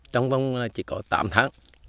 trong vòng chỉ có tám tháng